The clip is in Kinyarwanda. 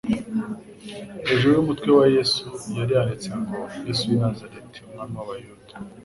hejuru y'umutwe wa Yesu. Yari yanditse ngo : "Yesu w'i Nazareti, Umwami w'Abayuda".